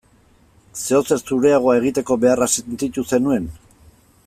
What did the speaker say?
Zeozer zureagoa egiteko beharra sentitu zenuen?